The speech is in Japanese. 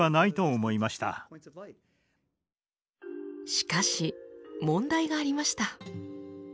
しかし問題がありました。